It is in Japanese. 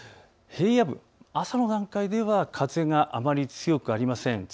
平野部、朝の段階では風があまり強くありません。